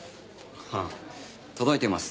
ああ届いてます。